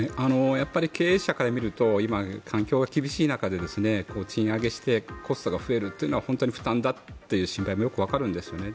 経営者から見ると今、環境が厳しい中で賃上げしてコストが増えるというのは本当に負担だという心配もよくわかるんですよね。